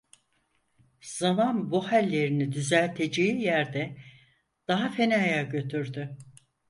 Zaman bu hallerini düzelteceği yerde daha fenaya götürdü.